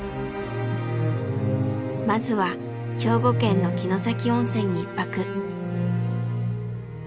まずは兵庫県の城崎温泉に一泊。